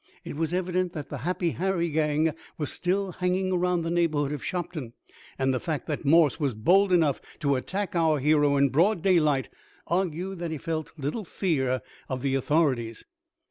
It was evident that the Happy Harry gang was still hanging around the neighborhood of Shopton, and the fact that Morse was bold enough to attack our hero in broad day light argued that he felt little fear of the authorities.